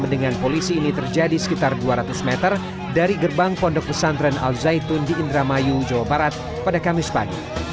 dengan polisi ini terjadi sekitar dua ratus meter dari gerbang pondok pesantren al zaitun di indramayu jawa barat pada kamis pagi